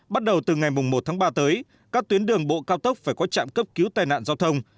bắt đầu từ ngày một tháng ba tới các tuyến đường bộ cao tốc phải có trạm cấp cứu tai nạn giao thông